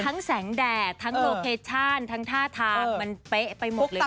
แสงแดดทั้งโลเคชั่นทั้งท่าทางมันเป๊ะไปหมดเลย